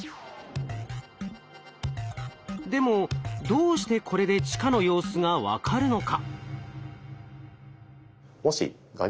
でもどうしてこれで地下の様子が分かるのか？